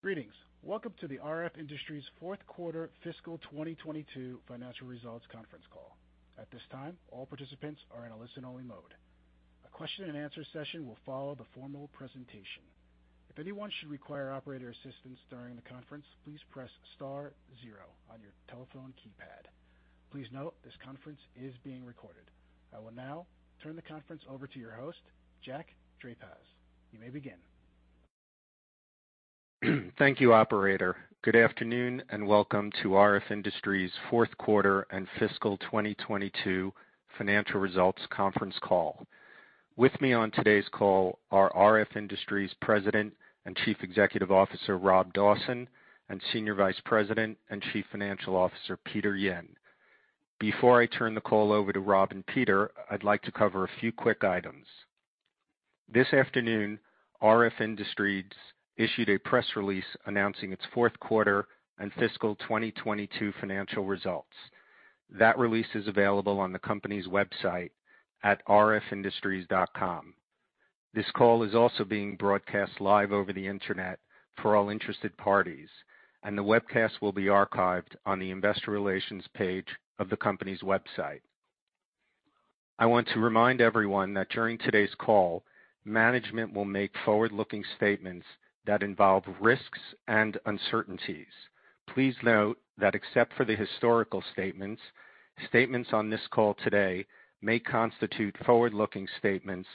Greetings. Welcome to the RF Industries fourth quarter fiscal 2022 financial results conference call. At this time, all participants are in a listen-only mode. A question and answer session will follow the formal presentation. If anyone should require operator assistance during the conference, please press star zero on your telephone keypad. Please note this conference is being recorded. I will now turn the conference over to your host, Jack Drapacz. You may begin. Thank you, operator. Good afternoon and welcome to RF Industries fourth quarter and fiscal 2022 financial results conference call. With me on today's call are RF Industries President and Chief Executive Officer, Robert Dawson, and Senior Vice President and Chief Financial Officer, Peter Yin. Before I turn the call over to Robert and Peter, I'd like to cover a few quick items. This afternoon, RF Industries issued a press release announcing its fourth quarter and fiscal 2022 financial results. That release is available on the company's website at rfindustries.com. This call is also being broadcast live over the Internet for all interested parties, the webcast will be archived on the investor relations page of the company's website. I want to remind everyone that during today's call, management will make forward-looking statements that involve risks and uncertainties. Please note that except for the historical statements on this call today may constitute forward-looking statements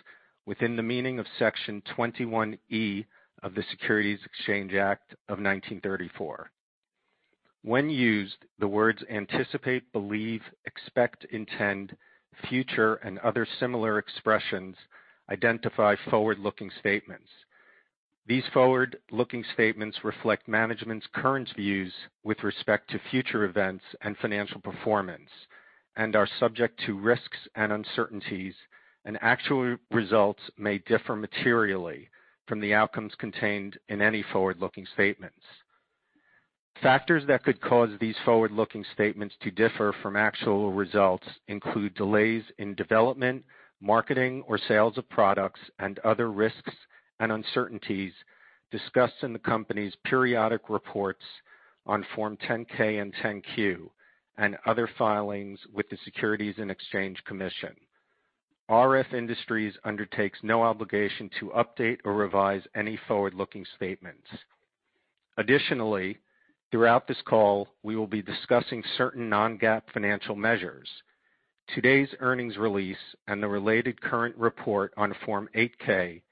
within the meaning of Section 21E of the Securities Exchange Act of 1934. When used, the words anticipate, believe, expect, intend, future, and other similar expressions identify forward-looking statements. These forward-looking statements reflect management's current views with respect to future events and financial performance and are subject to risks and uncertainties, and actual results may differ materially from the outcomes contained in any forward-looking statements. Factors that could cause these forward-looking statements to differ from actual results include delays in development, marketing, or sales of products and other risks and uncertainties discussed in the company's periodic reports on Form 10-K and 10-Q and other filings with the Securities and Exchange Commission. RF Industries undertakes no obligation to update or revise any forward-looking statements. Additionally, throughout this call, we will be discussing certain non-GAAP financial measures. Today's earnings release and the related current report on Form 8-K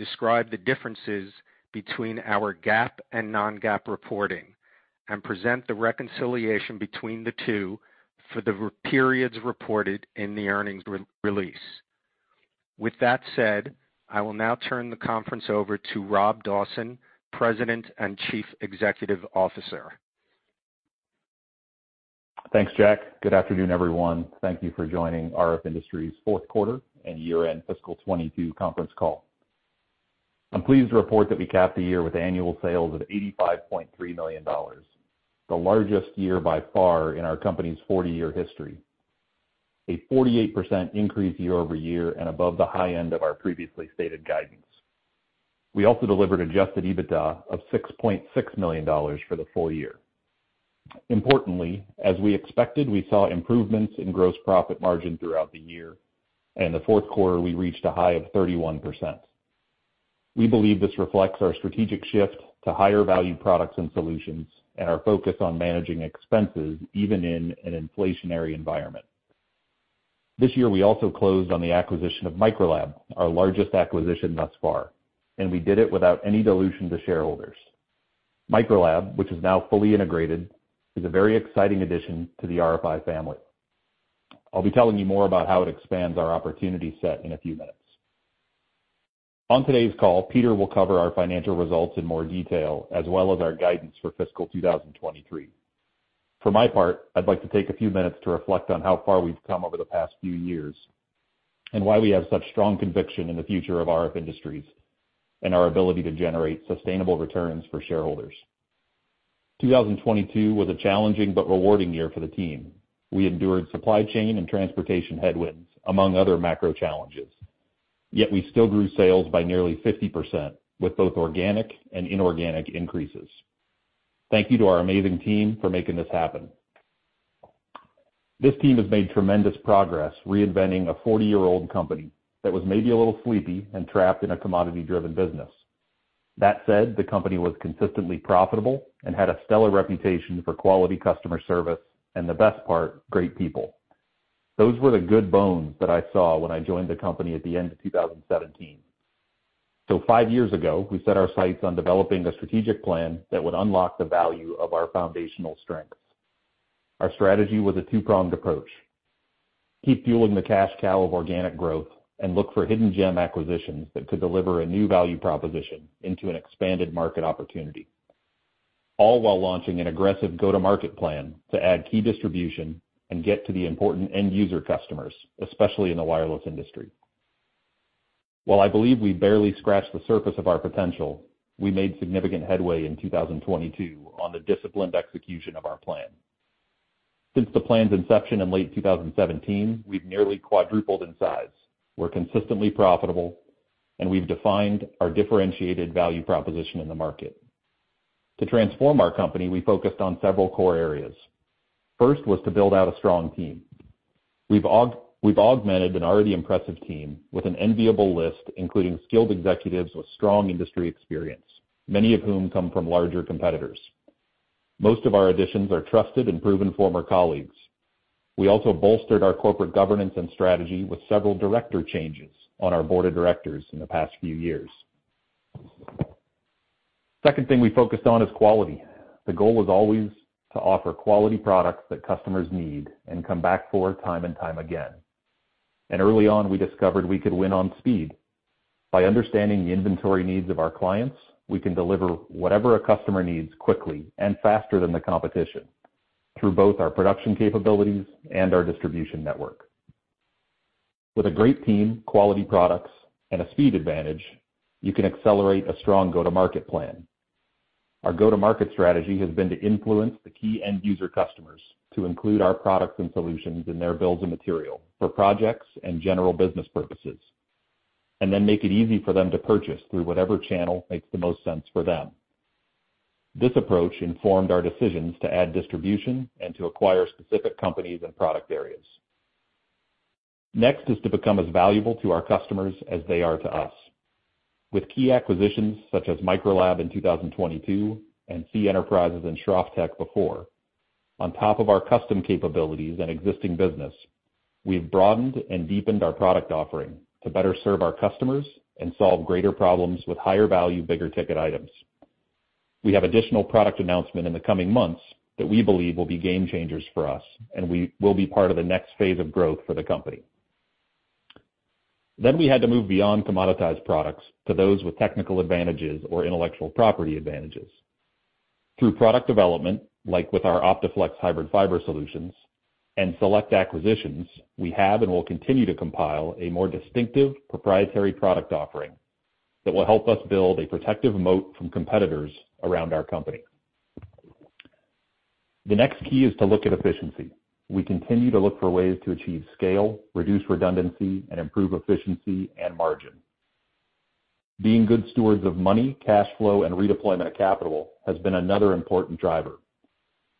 describe the differences between our GAAP and non-GAAP reporting and present the reconciliation between the two for the periods reported in the earnings release. With that said, I will now turn the conference over to Robert Dawson, President and Chief Executive Officer. Thanks, Jack. Good afternoon, everyone. Thank you for joining RF Industries fourth quarter and year-end fiscal 2022 conference call. I'm pleased to report that we capped the year with annual sales of $85.3 million, the largest year by far in our company's 40-year history. 48% increase year-over-year and above the high end of our previously stated guidance. We also delivered adjusted EBITDA of $6.6 million for the full year. Importantly, as we expected, we saw improvements in gross profit margin throughout the year, and the fourth quarter, we reached a high of 31%. We believe this reflects our strategic shift to higher value products and solutions and our focus on managing expenses even in an inflationary environment. This year, we also closed on the acquisition of Microlab, our largest acquisition thus far, and we did it without any dilution to shareholders. Microlab, which is now fully integrated, is a very exciting addition to the RFI family. I'll be telling you more about how it expands our opportunity set in a few minutes. On today's call, Peter will cover our financial results in more detail, as well as our guidance for fiscal 2023. For my part, I'd like to take a few minutes to reflect on how far we've come over the past few years and why we have such strong conviction in the future of RF Industries and our ability to generate sustainable returns for shareholders. 2022 was a challenging but rewarding year for the team. We endured supply chain and transportation headwinds, among other macro challenges, yet we still grew sales by nearly 50% with both organic and inorganic increases. Thank you to our amazing team for making this happen. This team has made tremendous progress reinventing a 40-year-old company that was maybe a little sleepy and trapped in a commodity-driven business. That said, the company was consistently profitable and had a stellar reputation for quality customer service, and the best part, great people. Those were the good bones that I saw when I joined the company at the end of 2017. five years ago, we set our sights on developing a strategic plan that would unlock the value of our foundational strengths. Our strategy was a two-pronged approach. Keep fueling the cash cow of organic growth and look for hidden gem acquisitions that could deliver a new value proposition into an expanded market opportunity, all while launching an aggressive go-to-market plan to add key distribution and get to the important end user customers, especially in the wireless industry. I believe we barely scratched the surface of our potential, we made significant headway in 2022 on the disciplined execution of our plan. Since the plan's inception in late 2017, we've nearly quadrupled in size. We're consistently profitable, we've defined our differentiated value proposition in the market. To transform our company, we focused on several core areas. First was to build out a strong team. We've augmented an already impressive team with an enviable list, including skilled executives with strong industry experience, many of whom come from larger competitors. Most of our additions are trusted and proven former colleagues. We also bolstered our corporate governance and strategy with several director changes on our board of directors in the past few years. Second thing we focused on is quality. The goal was always to offer quality products that customers need and come back for time and time again. Early on, we discovered we could win on speed. By understanding the inventory needs of our clients, we can deliver whatever a customer needs quickly and faster than the competition through both our production capabilities and our distribution network. With a great team, quality products, and a speed advantage, you can accelerate a strong go-to-market plan. Our go-to-market strategy has been to influence the key end user customers to include our products and solutions in their builds and material for projects and general business purposes, and then make it easy for them to purchase through whatever channel makes the most sense for them. This approach informed our decisions to add distribution and to acquire specific companies and product areas. Next is to become as valuable to our customers as they are to us. With key acquisitions such as Microlab in 2022 and C Enterprises and Schrofftech before. On top of our custom capabilities and existing business, we've broadened and deepened our product offering to better serve our customers and solve greater problems with higher value, bigger ticket items. We have additional product announcement in the coming months that we believe will be game changers for us, and we will be part of the next phase of growth for the company. We had to move beyond commoditized products to those with technical advantages or intellectual property advantages. Through product development, like with our OptiFlex hybrid fiber solutions and select acquisitions, we have and will continue to compile a more distinctive proprietary product offering that will help us build a protective moat from competitors around our company. The next key is to look at efficiency. We continue to look for ways to achieve scale, reduce redundancy, and improve efficiency and margin. Being good stewards of money, cash flow, and redeployment of capital has been another important driver.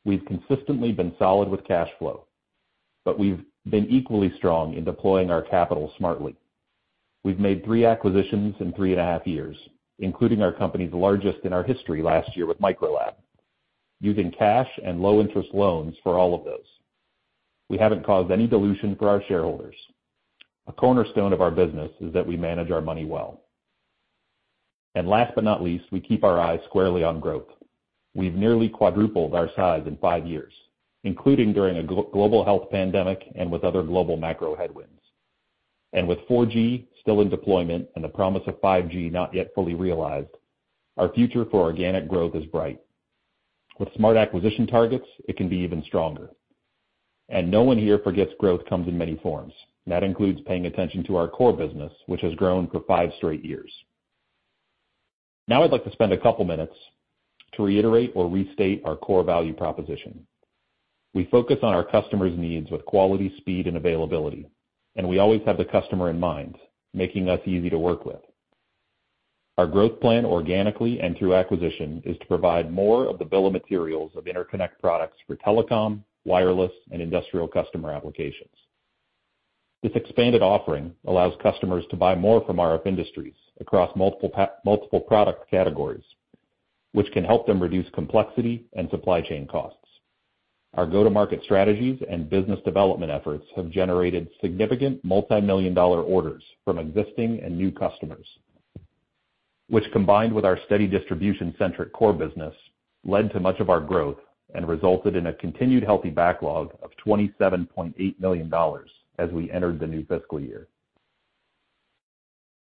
We've consistently been solid with cash flow, but we've been equally strong in deploying our capital smartly. We've made three acquisitions in three and a half years, including our company's largest in our history last year with Microlab, using cash and low interest loans for all of those. We haven't caused any dilution for our shareholders. A cornerstone of our business is that we manage our money well. Last but not least, we keep our eyes squarely on growth. We've nearly quadrupled our size in five years, including during a global health pandemic and with other global macro headwinds. With 4G still in deployment and the promise of 5G not yet fully realized, our future for organic growth is bright. With smart acquisition targets, it can be even stronger. No one here forgets growth comes in many forms. That includes paying attention to our core business, which has grown for five straight years. I'd like to spend a couple minutes to reiterate or restate our core value proposition. We focus on our customers' needs with quality, speed, and availability. We always have the customer in mind, making us easy to work with. Our growth plan, organically and through acquisition, is to provide more of the bill of materials of interconnect products for telecom, wireless, and industrial customer applications. This expanded offering allows customers to buy more from RF Industries across multiple product categories, which can help them reduce complexity and supply chain costs. Our go-to-market strategies and business development efforts have generated significant multimillion-dollar orders from existing and new customers, which, combined with our steady distribution-centric core business, led to much of our growth and resulted in a continued healthy backlog of $27.8 million as we entered the new fiscal year.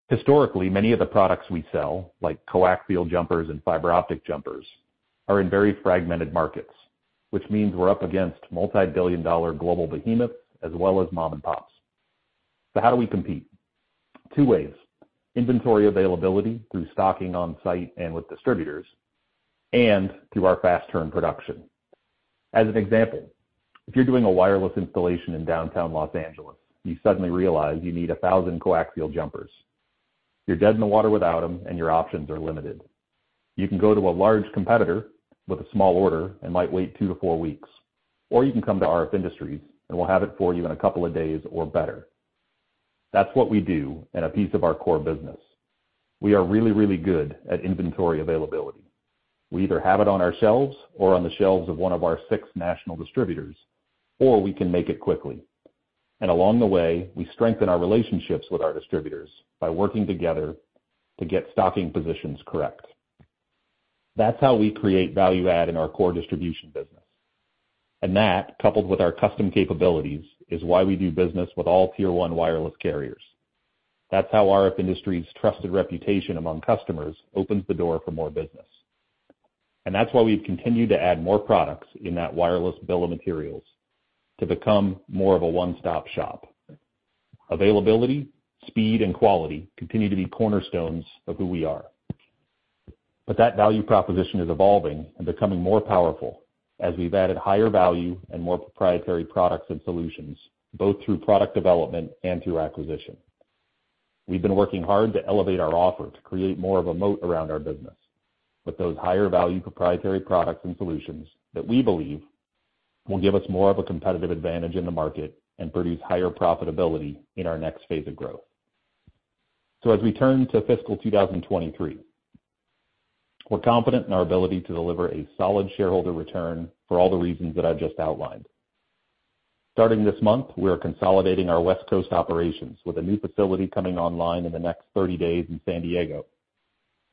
Historically, many of the products we sell, like coaxial jumpers and fiber optic jumpers, are in very fragmented markets, which means we're up against multibillion-dollar global behemoths as well as mom and pops. How do we compete? Two ways: inventory availability through stocking on-site and with distributors, and through our fast turn production. As an example, if you're doing a wireless installation in downtown L.A., you suddenly realize you need 1,000 coaxial jumpers. You're dead in the water without them, and your options are limited. You can go to a large competitor with a small order and might wait 2-4 weeks. Or you can come to RF Industries, and we'll have it for you in a couple of days or better. That's what we do and a piece of our core business. We are really, really good at inventory availability. We either have it on our shelves or on the shelves of one of our six national distributors, or we can make it quickly. Along the way, we strengthen our relationships with our distributors by working together to get stocking positions correct. That's how we create value add in our core distribution business. That, coupled with our custom capabilities, is why we do business with all tier one wireless carriers. That's how RF Industries' trusted reputation among customers opens the door for more business. That's why we've continued to add more products in that wireless bill of materials to become more of a one-stop-shop. Availability, speed, and quality continue to be cornerstones of who we are. That value proposition is evolving and becoming more powerful as we've added higher value and more proprietary products and solutions, both through product development and through acquisition. We've been working hard to elevate our offer to create more of a moat around our business. With those higher value proprietary products and solutions that we believe will give us more of a competitive advantage in the market and produce higher profitability in our next phase of growth. As we turn to fiscal 2023, we're confident in our ability to deliver a solid shareholder return for all the reasons that I've just outlined. Starting this month, we are consolidating our West Coast operations with a new facility coming online in the next 30 days in San Diego.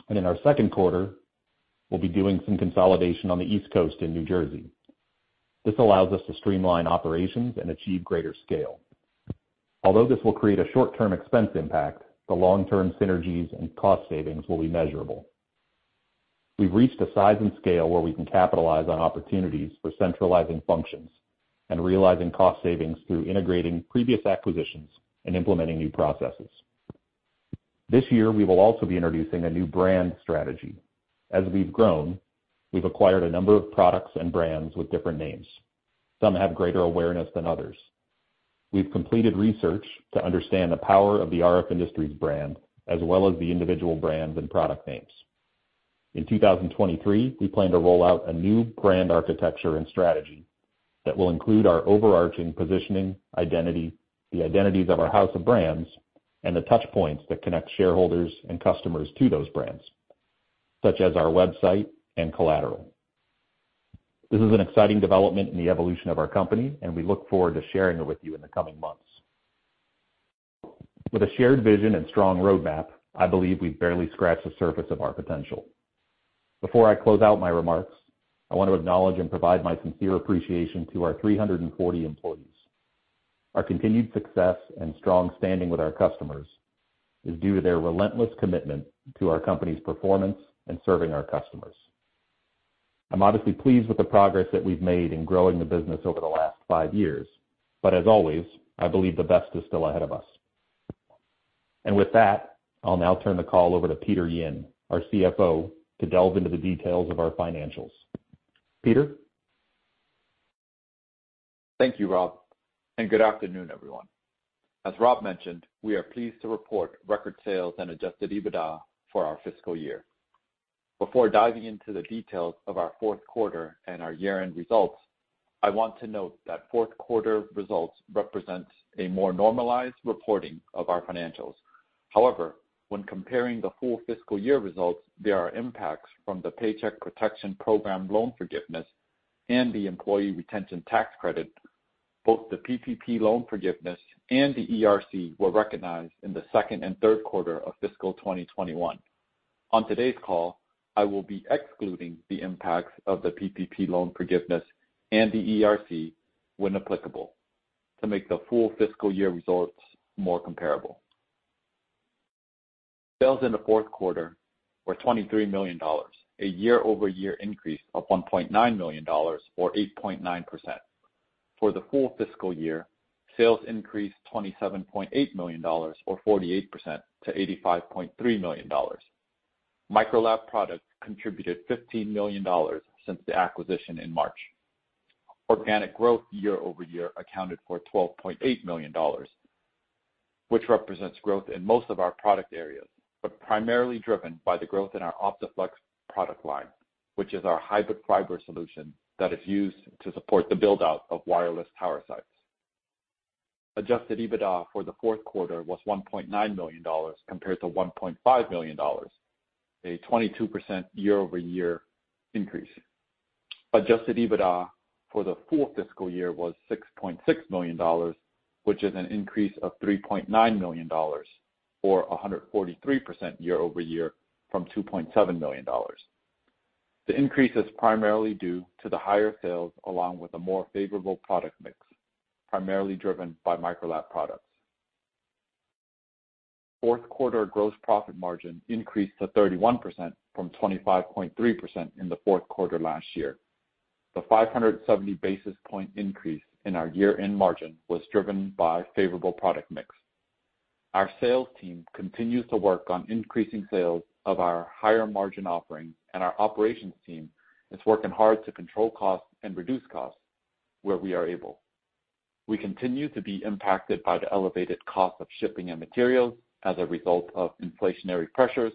In our second quarter, we'll be doing some consolidation on the East Coast in New Jersey. This allows us to streamline operations and achieve greater scale. Although this will create a short-term expense impact, the long-term synergies and cost savings will be measurable. We've reached a size and scale where we can capitalize on opportunities for centralizing functions and realizing cost savings through integrating previous acquisitions and implementing new processes. This year, we will also be introducing a new brand strategy. As we've grown, we've acquired a number of products and brands with different names. Some have greater awareness than others. We've completed research to understand the power of the RF Industries brand, as well as the individual brands and product names. In 2023, we plan to roll out a new brand architecture and strategy that will include our overarching positioning, identity, the identities of our house of brands, and the touch points that connect shareholders and customers to those brands, such as our website and collateral. This is an exciting development in the evolution of our company, and we look forward to sharing it with you in the coming months. With a shared vision and strong roadmap, I believe we've barely scratched the surface of our potential. Before I close out my remarks, I want to acknowledge and provide my sincere appreciation to our 340 employees. Our continued success and strong standing with our customers is due to their relentless commitment to our company's performance and serving our customers. I'm obviously pleased with the progress that we've made in growing the business over the last five years, but as always, I believe the best is still ahead of us. With that, I'll now turn the call over to Peter Yin, our CFO, to delve into the details of our financials. Peter? Thank you, Robert, and good afternoon, everyone. As Robert mentioned, we are pleased to report record sales and adjusted EBITDA for our fiscal year. Before diving into the details of our fourth quarter and our year-end results, I want to note that fourth quarter results represent a more normalized reporting of our financials. However, when comparing the full fiscal year results, there are impacts from the Paycheck Protection Program loan forgiveness and the Employee Retention Tax Credit. Both the PPP loan forgiveness and the ERC were recognized in the second and third quarter of fiscal 2021. On today's call, I will be excluding the impacts of the PPP loan forgiveness and the ERC when applicable to make the full fiscal year results more comparable. Sales in the fourth quarter were $23 million, a year-over-year increase of $1.9 million or 8.9%. For the full fiscal year, sales increased $27.8 million or 48% to $85.3 million. Microlab products contributed $15 million since the acquisition in March. Organic growth year-over-year accounted for $12.8 million, which represents growth in most of our product areas, but primarily driven by the growth in our OptiFlex product line, which is our hybrid fiber solution that is used to support the build-out of wireless power sites. Adjusted EBITDA for the fourth quarter was $1.9 million compared to $1.5 million, a 22% year-over-year increase. Adjusted EBITDA for the full fiscal year was $6.6 million, which is an increase of $3.9 million or 143% year-over-year from $2.7 million. The increase is primarily due to the higher sales along with a more favorable product mix, primarily driven by Microlab products. Fourth quarter gross profit margin increased to 31% from 25.3% in the fourth quarter last year. The 570 basis point increase in our year-end margin was driven by favorable product mix. Our sales team continues to work on increasing sales of our higher margin offerings, and our operations team is working hard to control costs and reduce costs where we are able. We continue to be impacted by the elevated cost of shipping and materials as a result of inflationary pressures,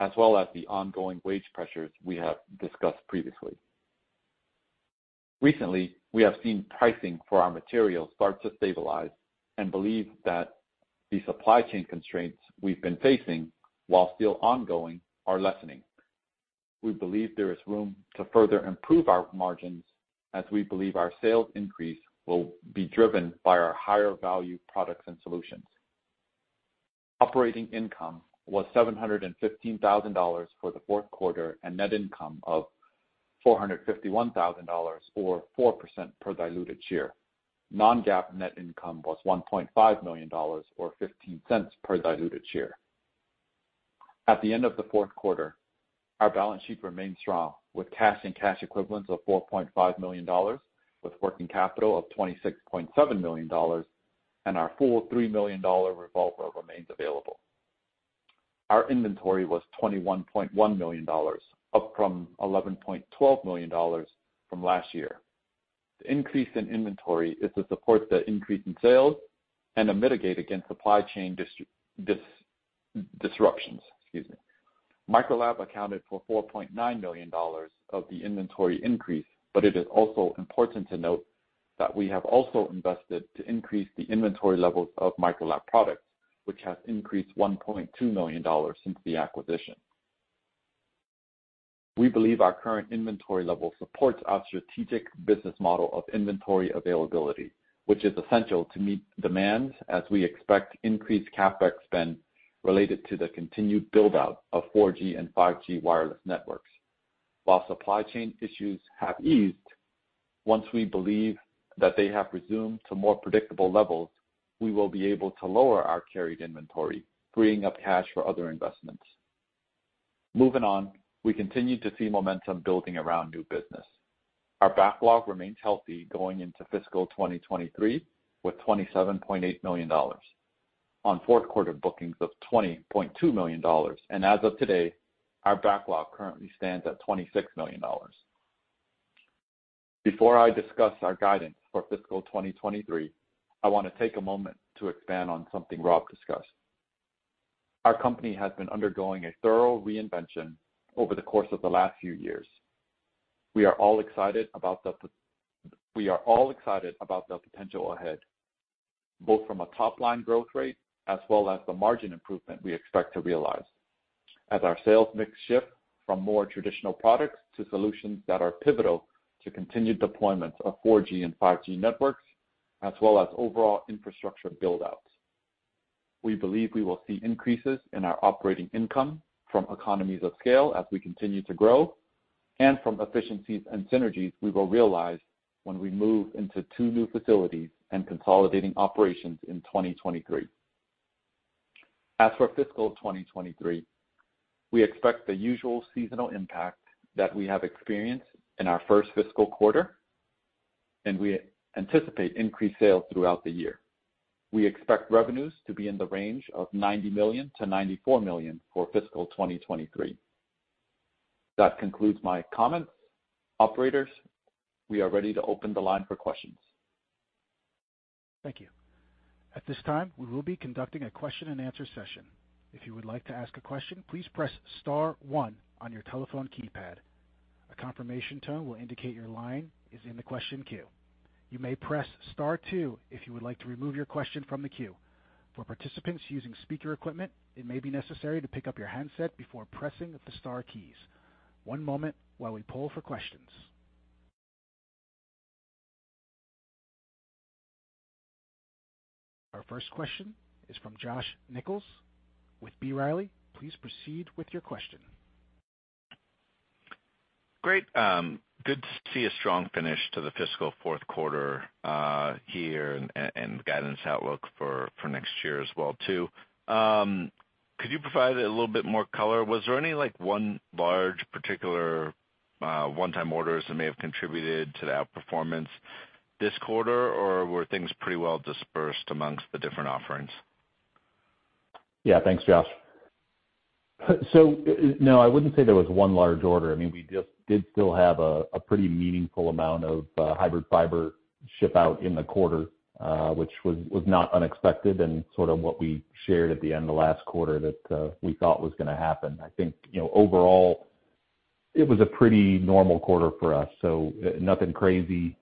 as well as the ongoing wage pressures we have discussed previously. Recently, we have seen pricing for our materials start to stabilize and believe that the supply chain constraints we've been facing, while still ongoing, are lessening. We believe there is room to further improve our margins as we believe our sales increase will be driven by our higher value products and solutions. Operating income was $715,000 for the fourth quarter and net income of $451,000 or 4% per diluted share. non-GAAP net income was $1.5 million or $0.15 per diluted share. At the end of the fourth quarter, our balance sheet remained strong with cash and cash equivalents of $4.5 million, with working capital of $26.7 million. Our full $3 million revolver remains available. Our inventory was $21.1 million, up from $11.12 million from last year. The increase in inventory is to support the increase in sales and to mitigate against supply chain disruptions. Excuse me. Microlab accounted for $4.9 million of the inventory increase, but it is also important to note that we have also invested to increase the inventory levels of Microlab products, which has increased $1.2 million since the acquisition. We believe our current inventory level supports our strategic business model of inventory availability, which is essential to meet demand as we expect increased CapEx spend related to the continued build-out of 4G and 5G wireless networks. While supply chain issues have eased, once we believe that they have resumed to more predictable levels, we will be able to lower our carried inventory, freeing up cash for other investments. Moving on, we continue to see momentum building around new business. Our backlog remains healthy going into fiscal 2023, with $27.8 million on fourth quarter bookings of $20.2 million. As of today, our backlog currently stands at $26 million. Before I discuss our guidance for fiscal 2023, I wanna take a moment to expand on something Robert discussed. Our company has been undergoing a thorough reinvention over the course of the last few years. We are all excited about the potential ahead, both from a top line growth rate as well as the margin improvement we expect to realize as our sales mix shift from more traditional products to solutions that are pivotal to continued deployments of 4G and 5G networks, as well as overall infrastructure build-outs. We believe we will see increases in our operating income from economies of scale as we continue to grow, and from efficiencies and synergies we will realize when we move into two new facilities and consolidating operations in 2023. As for fiscal 2023, we expect the usual seasonal impact that we have experienced in our first fiscal quarter, and we anticipate increased sales throughout the year. We expect revenues to be in the range of $90 million-$94 million for fiscal 2023. That concludes my comments. Operators, we are ready to open the line for questions. Thank you. At this time, we will be conducting a question-and-answer session. If you would like to ask a question, please press star one on your telephone keypad. A confirmation tone will indicate your line is in the question queue. You may press star two if you would like to remove your question from the queue. For participants using speaker equipment, it may be necessary to pick up your handset before pressing the star keys. One moment while we poll for questions. Our first question is from Josh Nichols with B. Riley. Please proceed with your question. Great. good to see a strong finish to the fiscal fourth quarter here and guidance outlook for next year as well, too. Could you provide a little bit more color? Was there any, like, one large particular one-time orders that may have contributed to the outperformance this quarter, or were things pretty well dispersed amongst the different offerings? Yeah. Thanks, Josh. No, I wouldn't say there was 1 large order. I mean, we just did still have a pretty meaningful amount of hybrid fiber ship out in the quarter, which was not unexpected and sort of what we shared at the end of last quarter that we thought was gonna happen. I think, you know, overall, it was a pretty normal quarter for us, nothing crazy.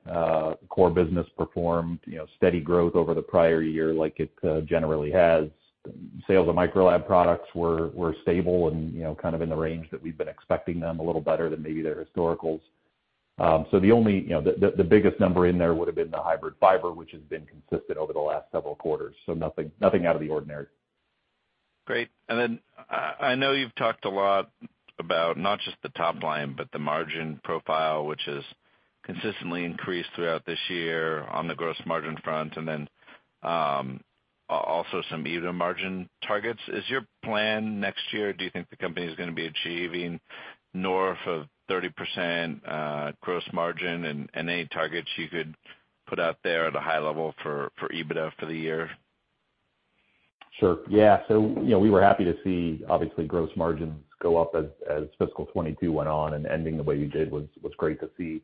Core business performed, you know, steady growth over the prior year like it generally has. Sales of Microlab products were stable and, you know, kind of in the range that we've been expecting them, a little better than maybe their historicals. The only, you know, the biggest number in there would've been the hybrid fiber, which has been consistent over the last several quarters, so nothing out of the ordinary. Great. I know you've talked a lot about not just the top line, but the margin profile, which has consistently increased throughout this year on the gross margin front and then also some EBITDA margin targets. Is your plan next year, do you think the company is gonna be achieving north of 30% gross margin? Any targets you could put out there at a high level for EBITDA for the year? Sure. Yeah. You know, we were happy to see obviously gross margins go up as fiscal 2022 went on and ending the way you did was great to see.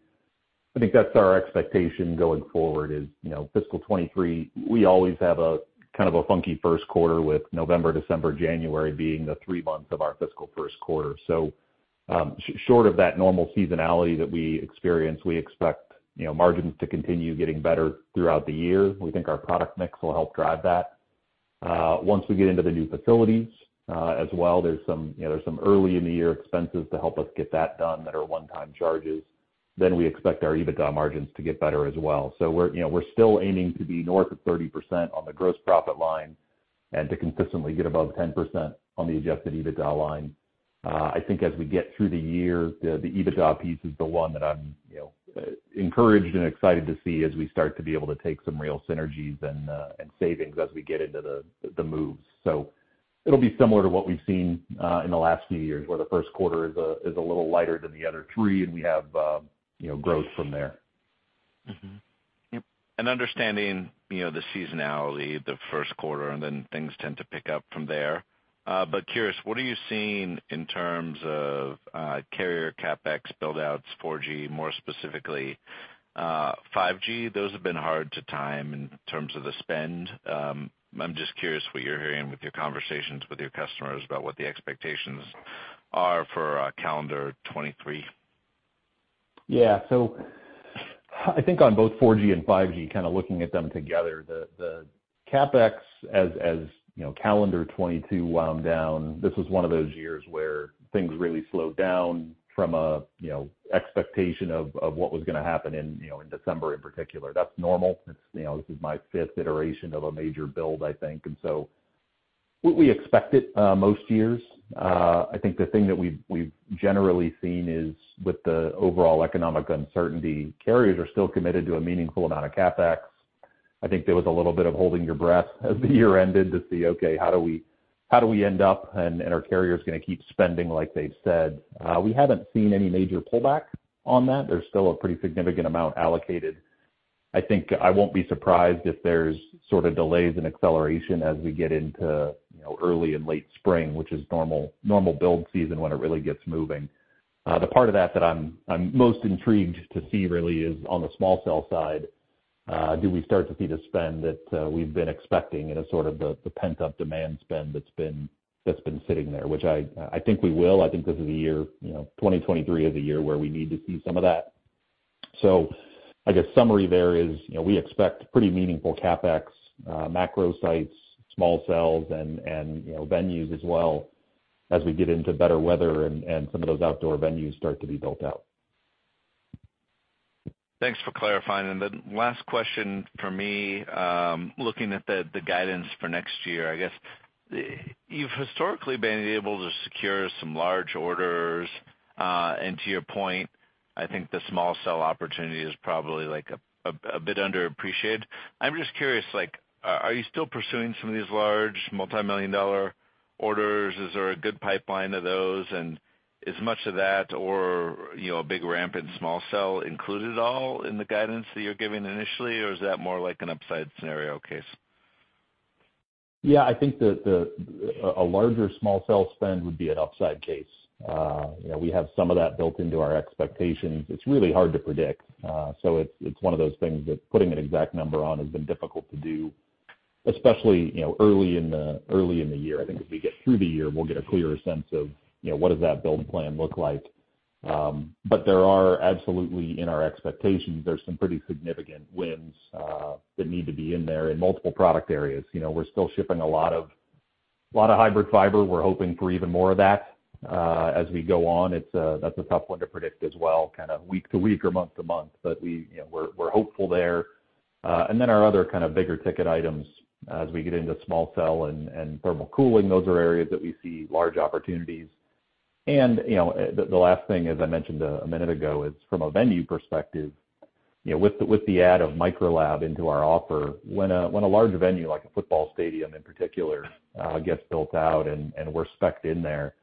I think that's our expectation going forward is, you know, fiscal 2023, we always have a kind of a funky first quarter with November, December, January being the three months of our fiscal first quarter. Short of that normal seasonality that we experience, we expect, you know, margins to continue getting better throughout the year. We think our product mix will help drive that. Once we get into the new facilities, as well, there's some, you know, there's some early in the year expenses to help us get that done that are one-time charges. We expect our EBITDA margins to get better as well. We're, you know, we're still aiming to be north of 30% on the gross profit line and to consistently get above 10% on the adjusted EBITDA line. I think as we get through the year, the EBITDA piece is the one that I'm, you know, encouraged and excited to see as we start to be able to take some real synergies and savings as we get into the moves. So It'll be similar to what we've seen, in the last few years, where the first quarter is a little lighter than the other three. We have, you know, growth from there. Understanding, you know, the seasonality the first quarter, then things tend to pick up from there. But curious, what are you seeing in terms of carrier CapEx build-outs, 4G, more specifically, 5G? Those have been hard to time in terms of the spend. I'm just curious what you're hearing with your conversations with your customers about what the expectations are for calendar 2023. Yeah. I think on both 4G and 5G, kinda looking at them together, the CapEx as, you know, calendar 2022 wound down, this was one of those years where things really slowed down from a, you know, expectation of what was gonna happen in December, in particular. That's normal. It's, you know, this is my fifth iteration of a major build, I think. What we expected most years, I think the thing that we've generally seen is with the overall economic uncertainty, carriers are still committed to a meaningful amount of CapEx. I think there was a little bit of holding your breath as the year ended to see, okay, how do we end up, and are carriers gonna keep spending like they've said? We haven't seen any major pullback on that. There's still a pretty significant amount allocated. I think I won't be surprised if there's sort of delays in acceleration as we get into, you know, early and late spring, which is normal build season when it really gets moving. The part of that that I'm most intrigued to see really is on the small cell side, do we start to see the spend that we've been expecting in a sort of the pent-up demand spend that's been sitting there, which I think we will. I think this is the year, you know, 2023 is the year where we need to see some of that. I guess summary there is, you know, we expect pretty meaningful CapEx, macro sites, small cells and, you know, venues as well as we get into better weather and some of those outdoor venues start to be built out. Thanks for clarifying. Last question from me, looking at the guidance for next year, I guess, you've historically been able to secure some large orders. To your point, I think the small cell opportunity is probably like a bit underappreciated. I'm just curious, like, are you still pursuing some of these large multi-million dollar orders? Is there a good pipeline of those? Is much of that or, you know, a big ramp in small cell included at all in the guidance that you're giving initially, or is that more like an upside scenario case? Yeah. I think a larger small cell spend would be an upside case. You know, we have some of that built into our expectations. It's really hard to predict. It's one of those things that putting an exact number on has been difficult to do, especially, you know, early in the year. I think as we get through the year, we'll get a clearer sense of, you know, what does that build plan look like. There are absolutely in our expectations, there's some pretty significant wins that need to be in there in multiple product areas. You know, we're still shipping a lot of hybrid fiber. We're hoping for even more of that as we go on. It's that's a tough one to predict as well, kind of week to week or month to month. You know, we're hopeful there. Then our other kind of bigger ticket items as we get into small cell and thermal cooling, those are areas that we see large opportunities. You know, the last thing, as I mentioned a minute ago, is from a venue perspective. You know, with the add of Microlab into our offer, when a large venue like a football stadium in particular, gets built out and we're specced in there,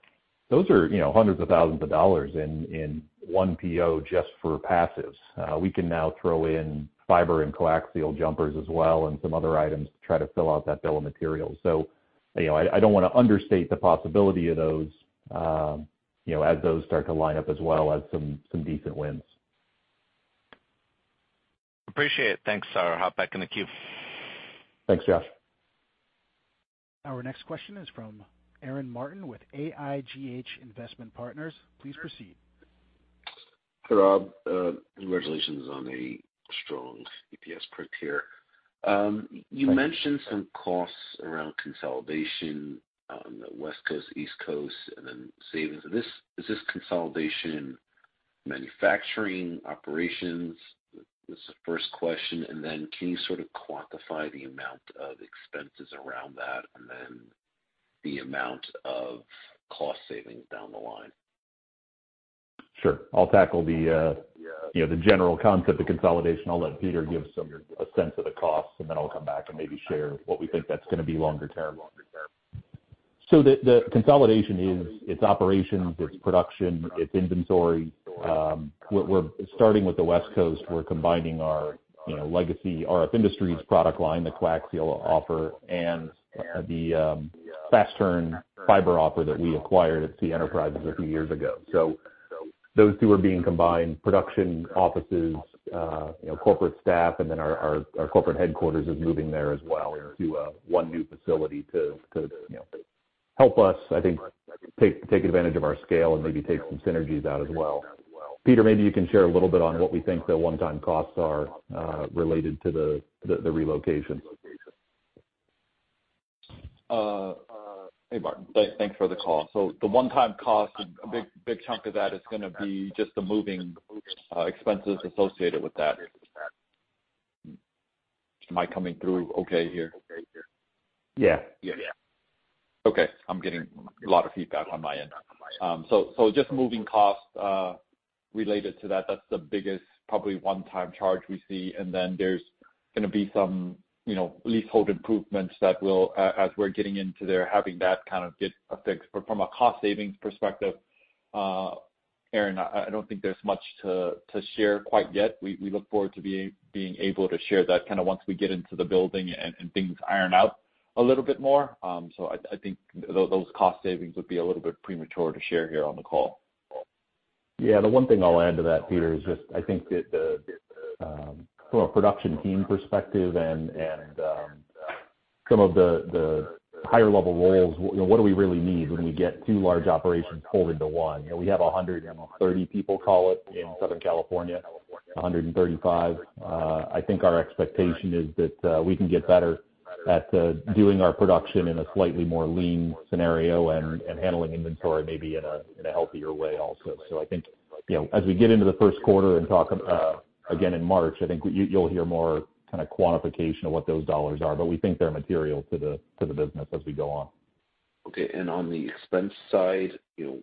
those are, you know, hundreds of thousands of dollars in one PO just for passives. We can now throw in fiber and coaxial jumpers as well and some other items to try to fill out that bill of materials. you know, I don't wanna understate the possibility of those, you know, as those start to line up as well as some decent wins. Appreciate it. Thanks. I'll hop back in the queue. Thanks, Josh. Our next question is from Aaron Martin with AIGH Investment Partners. Please proceed. Hey, Robert. Congratulations on a strong EPS print here. Thank you. You mentioned some costs around consolidation, West Coast, East Coast, and then savings. Is this consolidation manufacturing operations? This is the first question. Can you sort of quantify the amount of expenses around that and then the amount of cost savings down the line? Sure. I'll tackle the, you know, the general concept of consolidation. I'll let Peter give a sense of the costs, and then I'll come back and maybe share what we think that's gonna be longer term. The consolidation is, it's operations, it's production, it's inventory. What we're starting with the West Coast, we're combining our, you know, legacy RF Industries product line, the coaxial offer, and the Fast Turn fiber offer that we acquired at the enterprises a few years ago. Those two are being combined. Production offices, you know, corporate staff, and then our corporate headquarters is moving there as well to one new facility to, you know, help us, I think, take advantage of our scale and maybe take some synergies out as well. Peter, maybe you can share a little bit on what we think the one-time costs are, related to the relocation. Hey, Robert. Thanks for the call. The one-time cost, a big chunk of that is gonna be just the moving expenses associated with that. Am I coming through okay here? Yeah. Okay. I'm getting a lot of feedback on my end. Just moving costs, Related to that's the biggest probably one-time charge we see, and then there's gonna be some, you know, leasehold improvements that as we're getting into there, having that kind of get affixed. From a cost savings perspective, Aaron, I don't think there's much to share quite yet. We look forward to being able to share that kinda once we get into the building and things iron out a little bit more. I think those cost savings would be a little bit premature to share here on the call. The one thing I'll add to that, Peter, is just I think that the from a production team perspective and some of the higher level roles, you know, what do we really need when we get 2 large operations pulled into one? You know, we have 130 people, call it, in Southern California, 135. I think our expectation is that we can get better at doing our production in a slightly more lean scenario and handling inventory maybe in a, in a healthier way also. I think, you know, as we get into the 1st quarter and talk again in March, I think you'll hear more kinda quantification of what those dollars are, but we think they're material to the business as we go on. Okay. On the expense side, you know,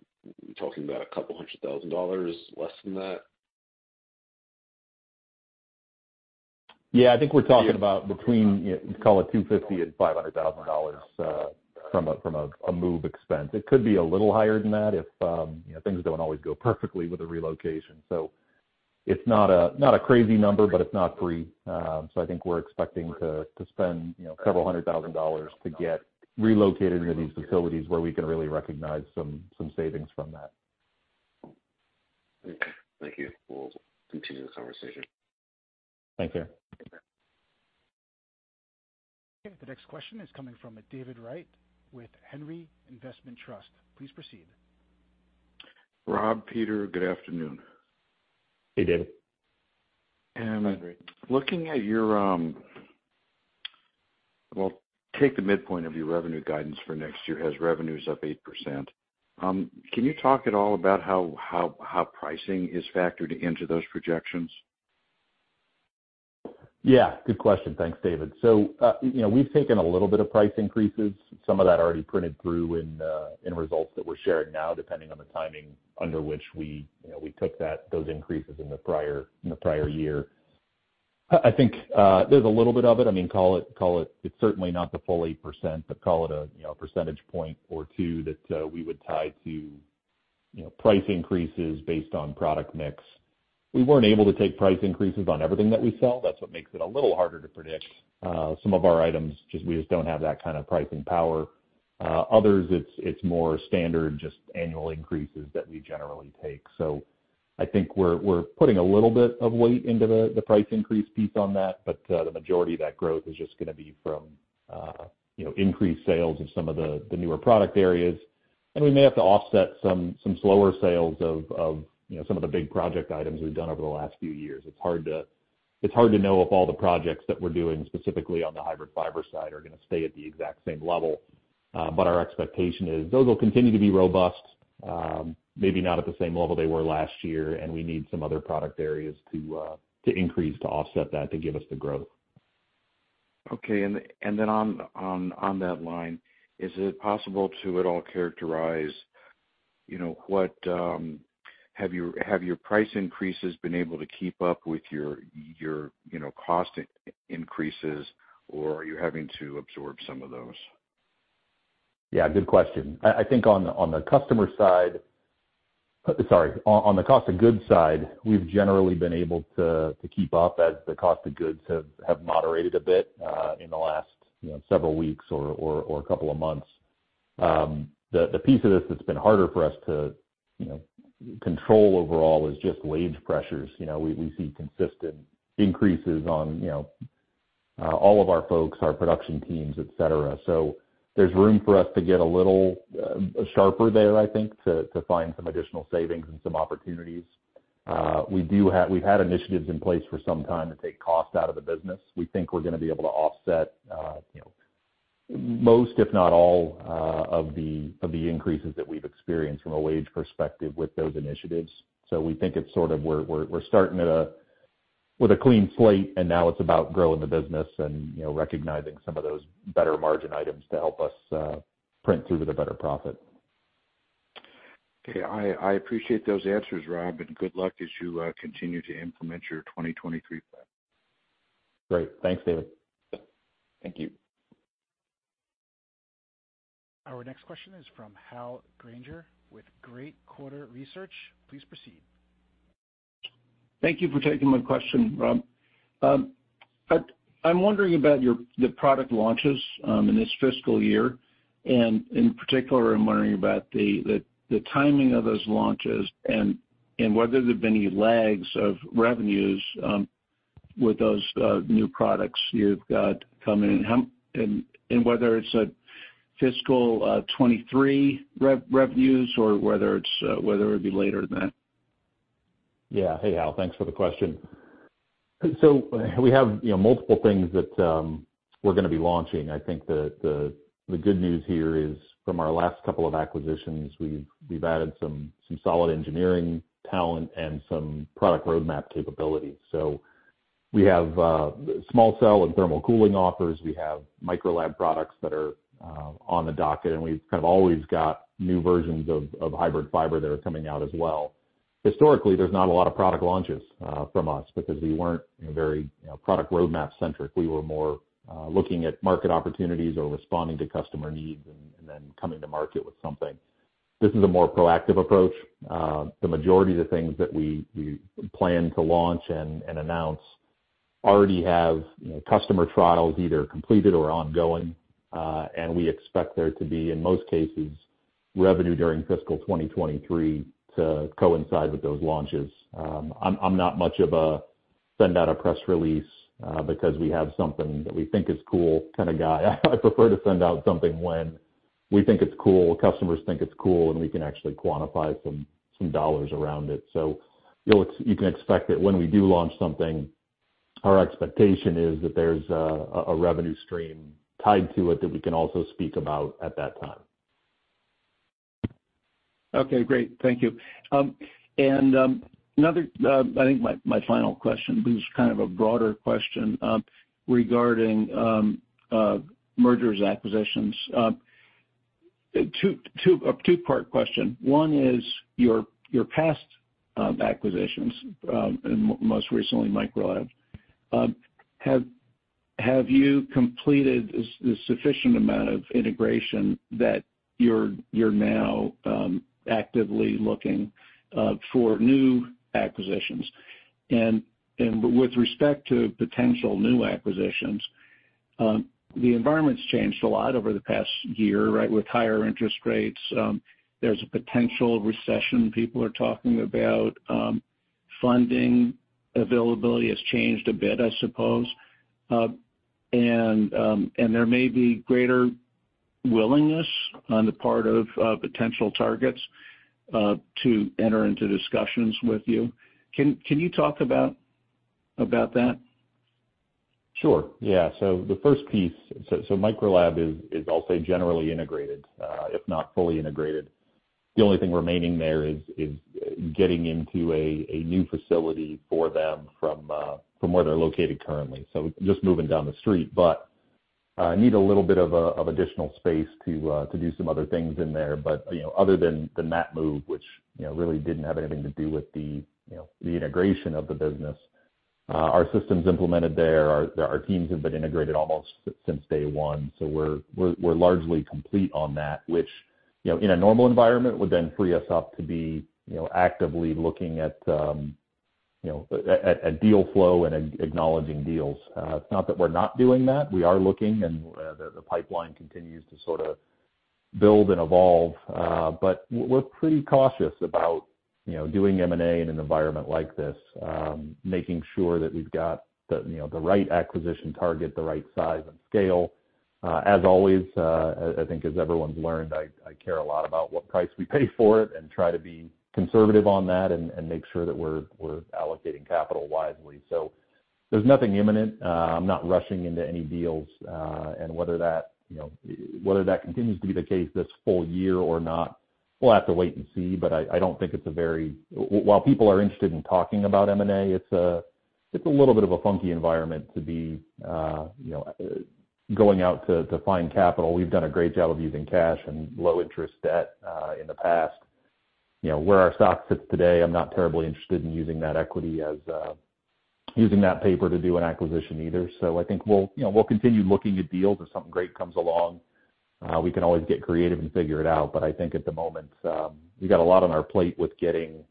talking about $200,000, less than that? Yeah. I think we're talking about between, you know, call it $250,000 and $500,000, from a, from a move expense. It could be a little higher than that if, you know, things don't always go perfectly with a relocation. It's not a, not a crazy number, but it's not free. I think we're expecting to spend, you know, several hundred thousand dollars to get relocated into these facilities where we can really recognize some savings from that. Okay. Thank you. We'll continue the conversation. Thank you. Okay. The next question is coming from David Wright with Henry Investment Trust. Please proceed. Robert, Peter, good afternoon. Hey, David. Looking at your, Well, take the midpoint of your revenue guidance for next year has revenues up 8%. Can you talk at all about how pricing is factored into those projections? Yeah, good question. Thanks, David. You know, we've taken a little bit of price increases. Some of that already printed through in results that we're sharing now, depending on the timing under which we, you know, we took those increases in the prior, in the prior year. I think there's a little bit of it. I mean, call it's certainly not the full 8%, but call it a, you know, 1 percentage point or 2 that we would tie to, you know, price increases based on product mix. We weren't able to take price increases on everything that we sell. That's what makes it a little harder to predict. Some of our items we just don't have that kind of pricing power. Others, it's more standard, just annual increases that we generally take. I think we're putting a little bit of weight into the price increase piece on that, but the majority of that growth is just gonna be from, you know, increased sales of some of the newer product areas. We may have to offset some slower sales of, you know, some of the big project items we've done over the last few years. It's hard to know if all the projects that we're doing specifically on the hybrid fiber side are gonna stay at the exact same level. Our expectation is those will continue to be robust, maybe not at the same level they were last year, and we need some other product areas to increase to offset that to give us the growth. Okay. Then on that line, is it possible to at all characterize, you know, what, have your price increases been able to keep up with your, you know, cost in-increases, or are you having to absorb some of those? Yeah, good question. I think on the customer side. Sorry, on the cost of goods side, we've generally been able to keep up as the cost of goods have moderated a bit in the last, you know, several weeks or couple of months. The piece of this that's been harder for us to, you know, control overall is just wage pressures. You know, we see consistent increases on, you know, all of our folks, our production teams, et cetera. There's room for us to get a little sharper there, I think, to find some additional savings and some opportunities. We've had initiatives in place for some time to take cost out of the business. We think we're gonna be able to offset, you know, most, if not all, of the, of the increases that we've experienced from a wage perspective with those initiatives. We think it's sort of we're starting with a clean slate, and now it's about growing the business and, you know, recognizing some of those better margin items to help us print through to the better profit. Okay. I appreciate those answers, Robert. Good luck as you continue to implement your 2023 plan. Great. Thanks, David. Thank you. Our next question is from Hal Granger with Great Quarter Research. Please proceed. Thank you for taking my question, Robert. I'm wondering about the product launches in this fiscal year, and in particular, I'm wondering about the timing of those launches and whether there have been any lags of revenues with those new products you've got coming in. Whether it's a fiscal 23 revenues or whether it'd be later than that. Yeah. Hey, Hal. Thanks for the question. We have, you know, multiple things that we're gonna be launching. I think that the good news here is from our last couple of acquisitions, we've added some solid engineering talent and some product roadmap capabilities. We have small cell and thermal cooling offers. We have Microlab products that are on the docket, and we've kind of always got new versions of hybrid fiber that are coming out as well. Historically, there's not a lot of product launches from us because we weren't very, you know, product roadmap centric. We were more looking at market opportunities or responding to customer needs and then coming to market with something. This is a more proactive approach. The majority of the things that we plan to launch and announce already have, you know, customer trials either completed or ongoing. We expect there to be, in most cases, revenue during fiscal 2023 to coincide with those launches. I'm not much of a send out a press release, because we have something that we think is cool kind of guy. I prefer to send out something when we think it's cool, customers think it's cool, and we can actually quantify some dollars around it. You can expect that when we do launch something, our expectation is that there's a revenue stream tied to it that we can also speak about at that time. Okay, great. Thank you. Another, I think my final question, but it's kind of a broader question regarding mergers, acquisitions. Two, a two-part question. One is your past acquisitions, and most recently Microlab. Have you completed a sufficient amount of integration that you're now actively looking for new acquisitions? With respect to potential new acquisitions, the environment's changed a lot over the past year, right? With higher interest rates, there's a potential recession people are talking about, funding availability has changed a bit, I suppose. There may be greater willingness on the part of potential targets to enter into discussions with you. Can you talk about that? Sure. Yeah. The first piece, so Microlab is I'll say generally integrated, if not fully integrated. The only thing remaining there is getting into a new facility for them from where they're located currently. Just moving down the street, but need a little bit of additional space to do some other things in there. You know, other than that move, which, you know, really didn't have anything to do with the, you know, the integration of the business, our systems implemented there. Our teams have been integrated almost since day one, so we're largely complete on that, which, you know, in a normal environment, would then free us up to be, you know, actively looking at, you know, at, at deal flow and acknowledging deals. It's not that we're not doing that. We are looking and the pipeline continues to sort of build and evolve. But we're pretty cautious about, you know, doing M&A in an environment like this, making sure that we've got the, you know, the right acquisition target, the right size and scale. As always, I think as everyone's learned, I care a lot about what price we pay for it and try to be conservative on that and make sure that we're allocating capital wisely. There's nothing imminent. I'm not rushing into any deals. Whether that, you know, whether that continues to be the case this full year or not, we'll have to wait and see. I don't think it's a very... While people are interested in talking about M&A, it's a, it's a little bit of a funky environment to be, you know, going out to find capital. We've done a great job of using cash and low interest debt in the past. You know, where our stock sits today, I'm not terribly interested in using that equity as using that paper to do an acquisition either. I think we'll, you know, we'll continue looking at deals. If something great comes along, we can always get creative and figure it out. I think at the moment, we've got a lot on our plate with getting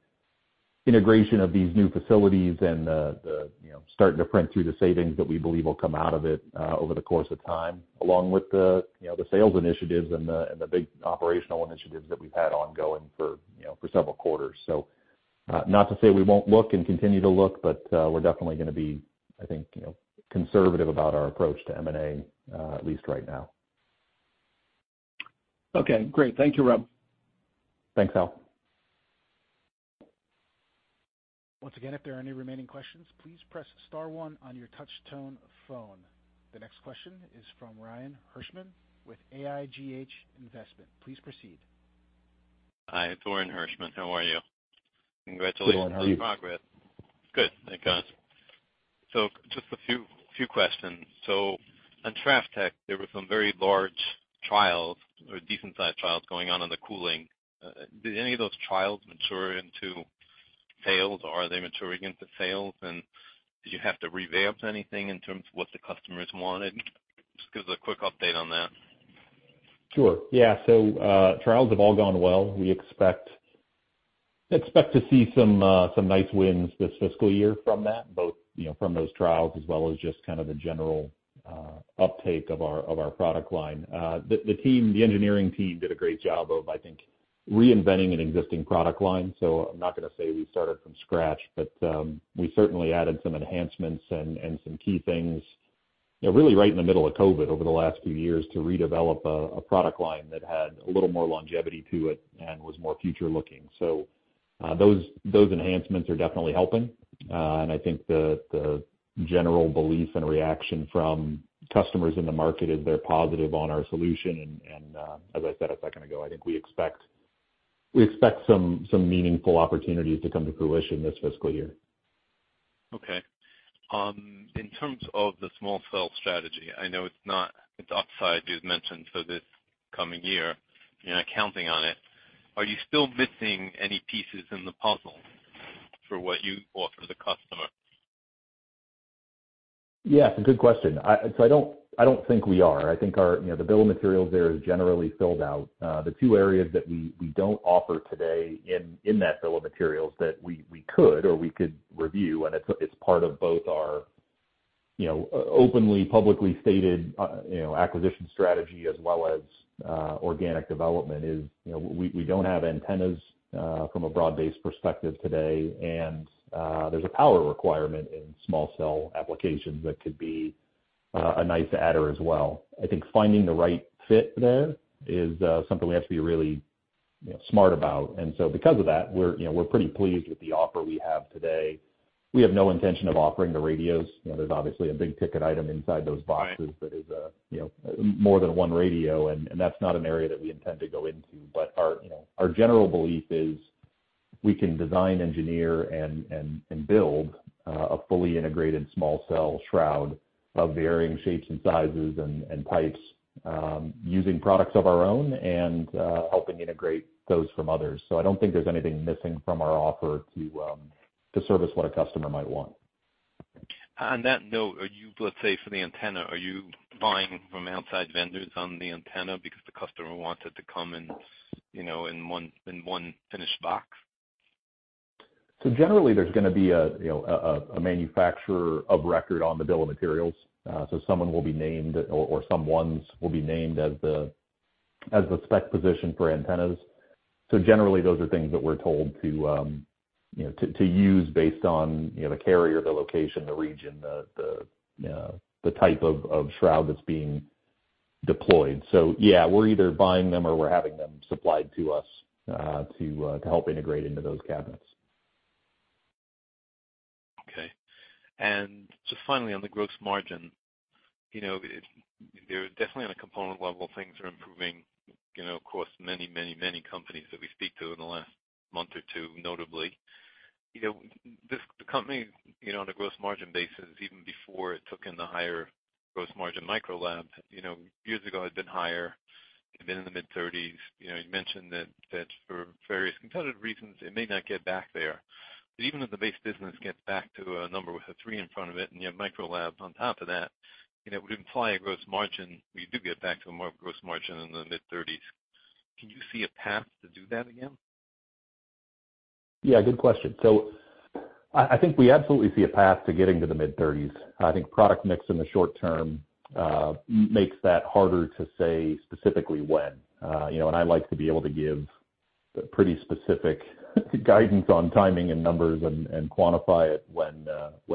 integration of these new facilities and the, you know, starting to print through the savings that we believe will come out of it, over the course of time, along with the, you know, the sales initiatives and the big operational initiatives that we've had ongoing for, you know, for several quarters. Not to say we won't look and continue to look, but, we're definitely gonna be, I think, you know, conservative about our approach to M&A, at least right now. Okay, great. Thank you, Robert. Thanks,. Once again, if there are any remaining questions, please press star one on your touch tone phone. The next question is from Orin Hirschman with AIGH Investment. Please proceed. Hi, it's Orin Hirschman. How are you? Good morning. How are you? Congratulations on the progress. Good. Thanks. Just a few questions. On Tri-Tech, there were some very large trials or decent size trials going on in the cooling. Did any of those trials mature into sales or are they maturing into sales? Did you have to revamp anything in terms of what the customers wanted? Just give us a quick update on that. Sure. Yeah. Trials have all gone well. We expect to see some nice wins this fiscal year from that, both, you know, from those trials as well as just kind of a general uptake of our product line. The engineering team did a great job of, I think, reinventing an existing product line. I'm not gonna say we started from scratch, but we certainly added some enhancements and some key things, you know, really right in the middle of COVID over the last few years to redevelop a product line that had a little more longevity to it and was more future looking. Those enhancements are definitely helping. I think the general belief and reaction from customers in the market is they're positive on our solution. As I said a second ago, I think we expect some meaningful opportunities to come to fruition this fiscal year. Okay. In terms of the small cell strategy, I know it's upside you'd mentioned for this coming year. You're not counting on it. Are you still missing any pieces in the puzzle for what you offer the customer? Yeah, it's a good question. I don't, I don't think we are. I think our, you know, the bill of materials there is generally filled out. The two areas that we don't offer today in that bill of materials that we could or we could review, and it's part of both our, you know, openly publicly stated, you know, acquisition strategy as well as organic development is, you know, we don't have antennas from a broad-based perspective today. There's a power requirement in small cell applications that could be a nice adder as well. I think finding the right fit there is something we have to be really, you know, smart about. Because of that, we're, you know, we're pretty pleased with the offer we have today. We have no intention of offering the radios. You know, there's obviously a big ticket item inside those boxes that is, you know, more than one radio, and that's not an area that we intend to go into. Our, you know, our general belief is we can design, engineer, and build a fully integrated small cell shroud of varying shapes and sizes and types, using products of our own and helping integrate those from others. I don't think there's anything missing from our offer to service what a customer might want. On that note, Let's say, for the antenna, are you buying from outside vendors on the antenna because the customer wants it to come in, you know, in one finished box? Generally, there's gonna be a, you know, a manufacturer of record on the bill of materials. Someone will be named or someones will be named as the spec position for antennas. Generally, those are things that we're told to, you know, to use based on, you know, the carrier, the location, the region, the type of shroud that's being deployed. Yeah, we're either buying them or we're having them supplied to us, to help integrate into those cabinets. Okay. Finally, on the gross margin, you know, there are definitely on a component level, things are improving, you know, across many companies that we speak to in the last month or two, notably. You know, the company, you know, on a gross margin basis, even before it took in the higher gross margin Microlab, you know, years ago had been higher. It had been in the mid-30s. You know, you mentioned that for various competitive reasons, it may not get back there. Even if the base business gets back to a number with a 3 in front of it and you have Microlab on top of that, you know, it would imply a gross margin, where you do get back to a gross margin in the mid-30s. Can you see a path to do that again? Yeah, good question. I think we absolutely see a path to getting to the mid-thirties. I think product mix in the short term makes that harder to say specifically when. You know, and I like to be able to give pretty specific guidance on timing and numbers and quantify it when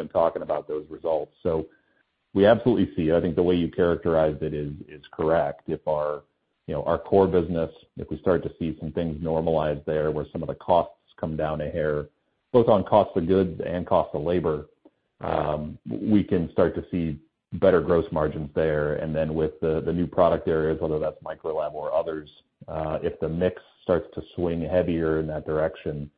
talking about those results. We absolutely see it. I think the way you characterized it is correct. If our, you know, our core business, if we start to see some things normalize there, where some of the costs come down a hair, both on cost of goods and cost of labor, we can start to see better gross margins there. With the new product areas, whether that's Microlab or others, if the mix starts to swing heavier in that direction,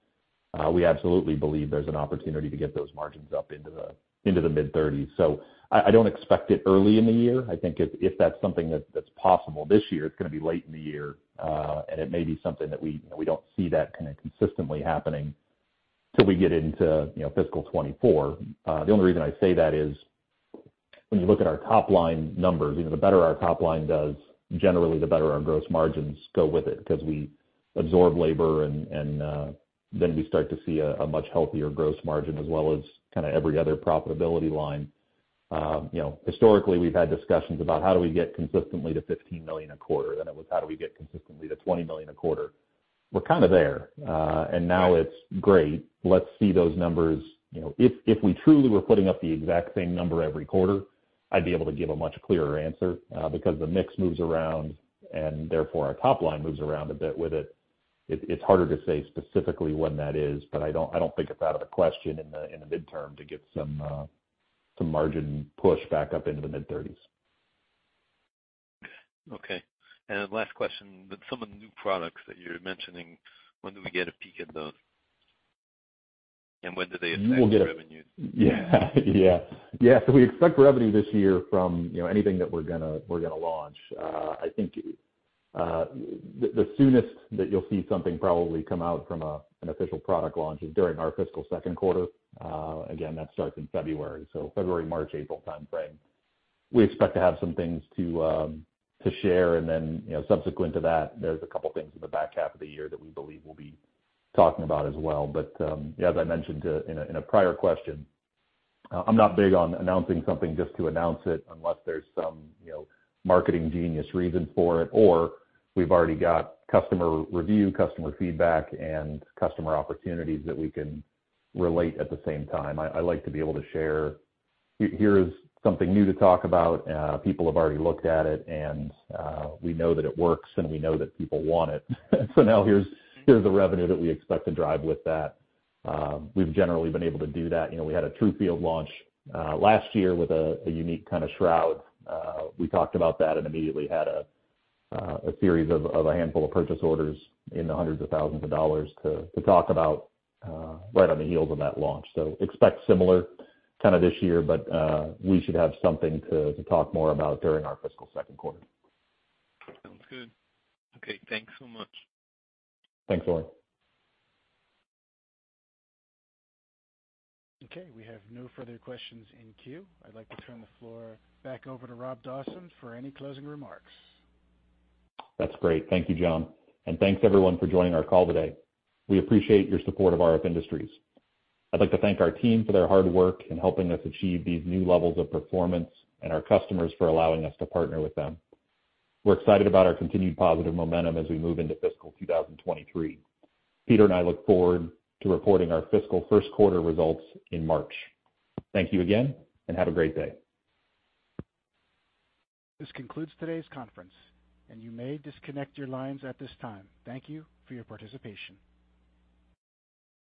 we absolutely believe there's an opportunity to get those margins up into the mid-thirties. I don't expect it early in the year. I think if that's something that's possible this year, it's gonna be late in the year. It may be something that we, you know, we don't see that kind of consistently happening till we get into, you know, fiscal 2024. The only reason I say that is when you look at our top-line numbers, you know, the better our top line does, generally the better our gross margins go with it, cause we absorb labor and, then we start to see a much healthier gross margin as well as kinda every other profitability line. You know, historically, we've had discussions about how do we get consistently to $15 million a quarter, then it was how do we get consistently to $20 million a quarter. We're kinda there, now it's great, let's see those numbers. You know, if we truly were putting up the exact same number every quarter, I'd be able to give a much clearer answer. Because the mix moves around and therefore our top line moves around a bit with it's harder to say specifically when that is, but I don't think it's out of the question in the midterm to get some margin push back up into the mid-thirties. Okay. Last question. With some of the new products that you're mentioning, when do we get a peek at those? When do they affect revenue? Yeah. Yeah. Yeah. We expect revenue this year from, you know, anything that we're gonna launch. I think the soonest that you'll see something probably come out from an official product launch is during our fiscal second quarter. Again, that starts in February. February, March, April timeframe, we expect to have some things to share. You know, subsequent to that, there's a couple things in the back half of the year that we believe we'll be talking about as well. As I mentioned, in a prior question, I'm not big on announcing something just to announce it unless there's some, you know, marketing genius reason for it or we've already got customer review, customer feedback, and customer opportunities that we can relate at the same time. I like to be able to share, "Here is something new to talk about. People have already looked at it and we know that it works, and we know that people want it. Now here's the revenue that we expect to drive with that." We've generally been able to do that. You know, we had a true field launch last year with a unique kinda shroud. We talked about that and immediately had a series of a handful of purchase orders in the hundreds of thousands of dollars to talk about right on the heels of that launch. Expect similar kinda this year, but we should have something to talk more about during our fiscal second quarter. Sounds good. Okay, thanks so much. Thanks, Orin. We have no further questions in queue. I'd like to turn the floor back over to Robert Dawson for any closing remarks. That's great. Thank you, John. And thanks, everyone, for joining our call today. We appreciate your support of RF Industries. I'd like to thank our team for their hard work in helping us achieve these new levels of performance and our customers for allowing us to partner with them. We're excited about our continued positive momentum as we move into fiscal 2023. Peter and I look forward to reporting our fiscal first quarter results in March. Thank you again, and have a great day. This concludes today's conference, and you may disconnect your lines at this time. Thank you for your participation.